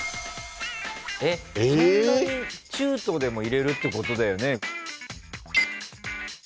中途でも入れるってことだよね。